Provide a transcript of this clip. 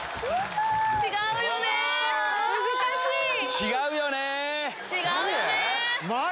違うよねー。